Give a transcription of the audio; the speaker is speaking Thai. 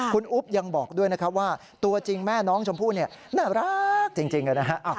คุณอุ๊บยังบอกด้วยนะครับว่าตัวจริงแม่น้องชมพู่เนี่ยน่ารักจริงเลยนะฮะ